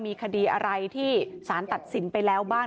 มีคดีอะไรที่สารตัดสินไปแล้วบ้าง